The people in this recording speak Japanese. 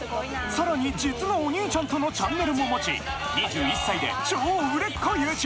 さらに実のお兄ちゃんとのチャンネルも持ち２１歳で超売れっ子ＹｏｕＴｕｂｅｒ